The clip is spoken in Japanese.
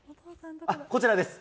こちらです。